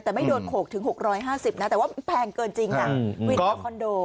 แต่ไม่โดนโขกถึง๖๕๐บาทแต่ว่ามันแพงเกินจริงนะ